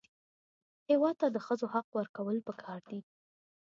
هېواد ته د ښځو حق ورکول پکار دي